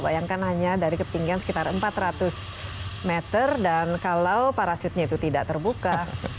bayangkan hanya dari ketinggian sekitar empat ratus meter dan kalau parasitnya itu tidak terbuka